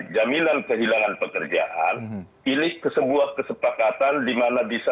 jaminan kehilangan pekerjaan ini sebuah kesepakatan dimana bisa